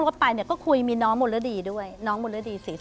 ร้างศุวร์